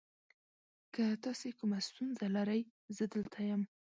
که تاسو کومه ستونزه لرئ، زه دلته یم.